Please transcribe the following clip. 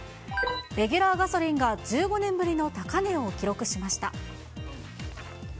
レギュラーガソリンが１５年ぶりの高値を記録しました。